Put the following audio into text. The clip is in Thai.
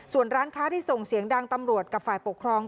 ส่วนร้านค้าที่ส่งเสียงดังตำรวจกับฝ่ายปกครอง